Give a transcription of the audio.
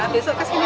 besok kesini lagi